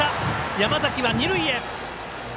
山崎は二塁へ。